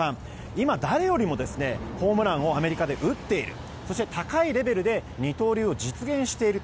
今、誰よりもホームランをアメリカで打っているそして高いレベルで二刀流を実現している。